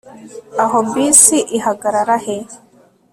aho bisi ihagarara he